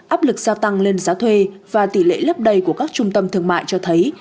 áp lực gia tăng lên giá thuê và tỷ lệ lấp đầy của các trung tâm thương mại cho thấy